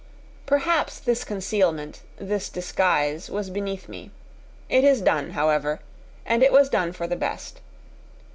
Perhaps this concealment, this disguise, was beneath me. It is done, however, and it was done for the best.